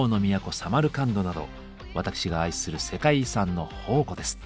サマルカンドなど私が愛する世界遺産の宝庫です。